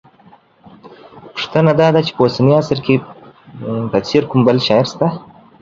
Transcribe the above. پوښتنه دا ده چې په اوسني عصر کې په څېر کوم بل شاعر شته